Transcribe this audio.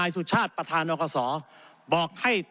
สุชาติประธานอกศบอกให้